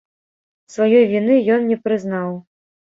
Сваёй віны ён не прызнаў.